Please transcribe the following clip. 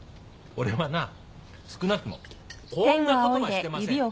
俺はな少なくともこんなことはしてません。